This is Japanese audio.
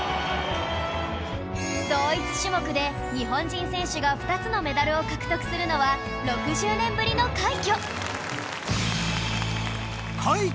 同一種目で日本人選手が２つのメダルを獲得するのは６０年ぶりの快挙